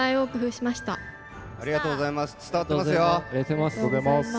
ありがとうございます。